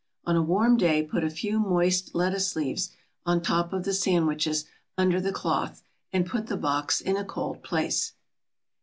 On a warm day put a few moist lettuce leaves on top of the sandwiches, under the cloth, and put the box in a cold place.